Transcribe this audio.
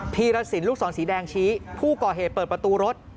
ีรสินลูกศรสีแดงชี้ผู้ก่อเหตุเปิดประตูรถ